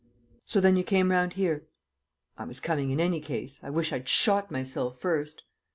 '" "So then you came round here?" "I was coming in any case. I wish I'd shot myself first!"